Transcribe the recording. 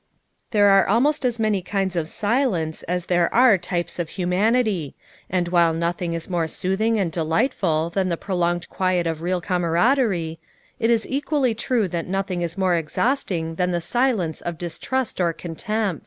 There are almost as many kinds of silence as there are types of humanity, and while nothing is more soothing and delightful than the prolonged quiet of real camaraderie, it is equally true that nothing is more exhausting than the silence of distrust or contempt.